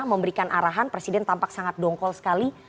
memberikan arahan presiden tampak sangat dongkol sekali